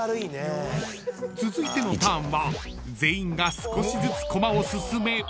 ［続いてのターンは全員が少しずつコマを進め］